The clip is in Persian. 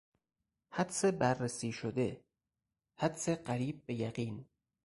حدس بررسی شده، حدس قریب به یقین